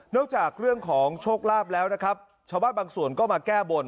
จากเรื่องของโชคลาภแล้วนะครับชาวบ้านบางส่วนก็มาแก้บน